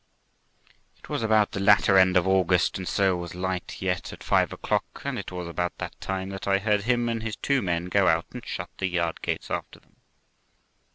It was about the latter end of August, and so was light yet at five o'clock, and it was about that time that I heard him and his two men go out and shut the yard gates after them.